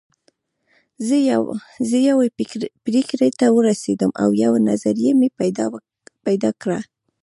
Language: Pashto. زه يوې پرېکړې ته ورسېدم او يوه نظريه مې پيدا کړه.